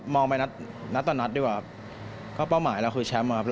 ไปนัดต่อนัดดีกว่าก็เป้าหมายเราคือแชมป์ครับพี่